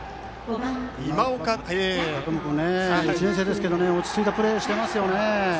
今岡君、１年生ですけど落ち着いたプレーをしていますね。